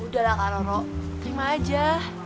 udah lah kak roro terima aja